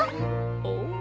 お？